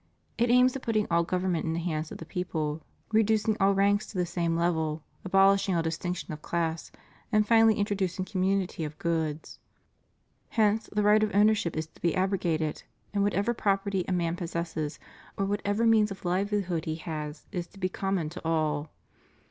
It aims at putting all government in the hands of the people, reducing all ranks to the same level, abohshing all distinction of class, and finally in troducing community of goods. Hence, the right of ownership is to be abrogated, and whatever property a man possesses, or whatever means of livelihood he has, is to be common to all.